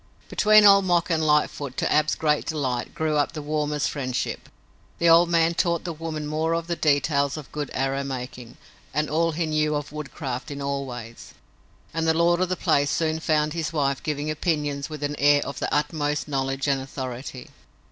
Between Old Mok and Lightfoot, to Ab's great delight, grew up the warmest friendship. The old man taught the woman more of the details of good arrow making and all he knew of woodcraft in all ways, and the lord of the place soon found his wife giving opinions with an air of the utmost knowledge and authority.